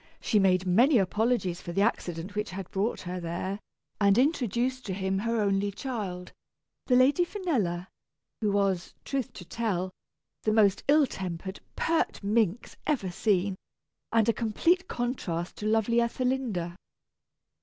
She made many apologies for the accident which had brought her there, and introduced to him her only child, the Lady Finella, who was, truth to tell, the most ill tempered, pert minx ever seen, and a complete contrast to lovely Ethelinda.